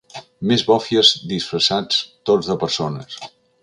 Més bòfies disfressats tots de persones.